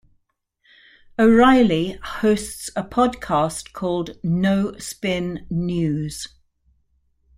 O'Reilly hosts a podcast called "No Spin News".